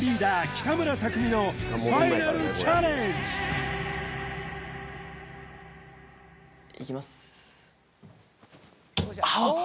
北村匠海のファイナルチャレンジいきますあっ！